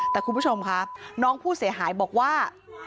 แต่คุณผู้ชมค่ะน้องผู้เสียหายบอกว่า